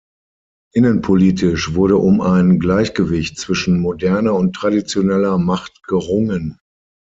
Innenpolitisch wurde um ein Gleichgewicht zwischen moderner und traditioneller Macht gerungen.